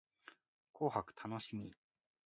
紅白楽しみ